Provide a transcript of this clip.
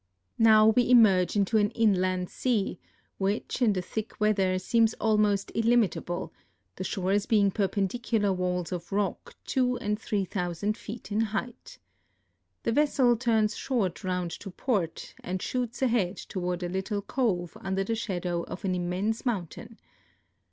Now we emerge into an inland sea which in the thick weather seems almost illimitable, the shores being perpendicular walls of rock two and three thousand feet in height. The vessel turns short round to port and shoots ahead toward a little cove under the shadow of an immense mountain.